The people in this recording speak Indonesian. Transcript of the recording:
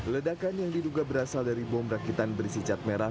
ledakan yang diduga berasal dari bom rakitan berisi cat merah